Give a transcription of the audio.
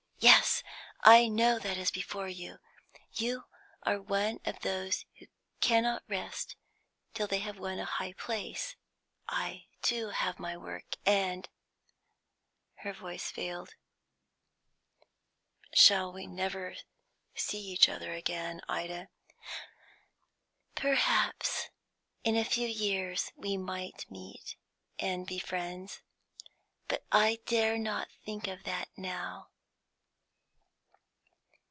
Yes; I know that is before you. You are one of those who cannot rest till they have won a high place. I, too, have my work, and " Her voice failed. "Shall we never see each other again, Ida?" "Perhaps. In a few years we might meet, and be friends. But I dare not think of that now."